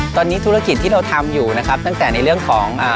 ตอนนี้ธุรกิจที่เราทำอยู่นะครับตั้งแต่ในเรื่องของอ่า